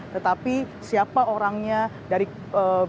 tetapi siapa orangnya dari bp